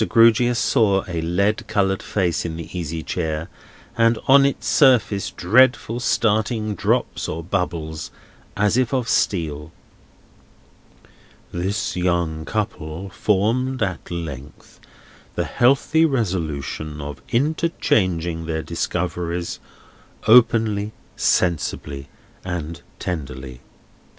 Grewgious saw a lead coloured face in the easy chair, and on its surface dreadful starting drops or bubbles, as if of steel. "This young couple formed at length the healthy resolution of interchanging their discoveries, openly, sensibly, and tenderly.